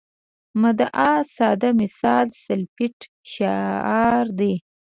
مدعا ساده مثال سلفیت شعار دی.